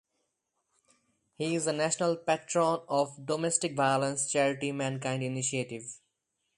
He is a national patron of domestic violence charity Mankind Initiative.